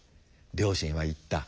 両親は言った。